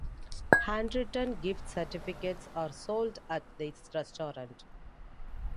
Handwritten gift certificates are sold at this restaurant.